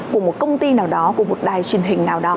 của một công ty nào đó của một đài truyền hình nào đó